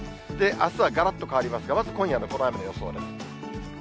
あすはがらっと変わりますが、まず今夜のこの雨の予想です。